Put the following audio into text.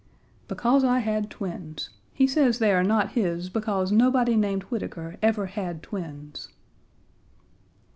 "Because I had twins. He says they are not his because nobody named Whitaker ever had twins."